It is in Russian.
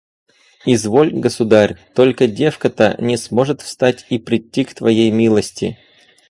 – «Изволь, государь; только девка-то не сможет встать и придти к твоей милости».